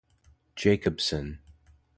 Jacobson.